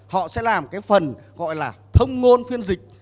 họ sẽ làm cái phần gọi là thông ngôn phiên dịch